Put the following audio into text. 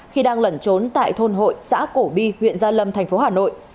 khi đang lẩn trốn tại thôn hội xã cổ bi huyện gia lâm thành phố hà nội